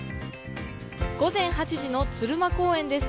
午前８時の鶴舞公園です。